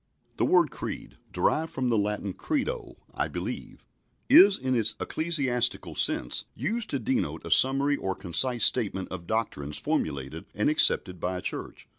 The word "creed" derived from the Latin "credo, I believe" is, in its ecclesiastical sense, used to denote a summary or concise statement of doctrines formulated and accepted by a church.